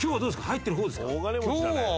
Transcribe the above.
入ってる方ですか？